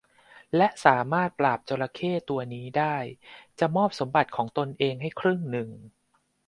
และสามารถปราบจระเข้ตัวนี้ได้จะมอบสมบัติของตนเองให้ครึ่งหนึ่ง